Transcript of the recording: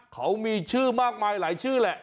เขามีชื่อมากมายหลายชื่อแหละ